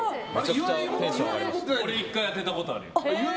俺１回当てたことあるよ。